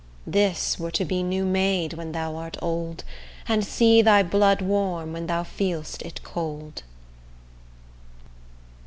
This were to be new made when thou art old, And see thy blood warm when thou feel'st it cold.